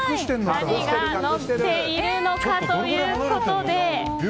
何がのっているのかということで。